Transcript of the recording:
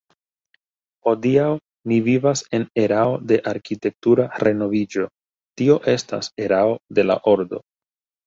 Hodiaŭ ni vivas en erao de arkitektura renoviĝo, tio estas erao de la ordo.